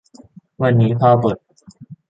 วันนี้พ่อบ่น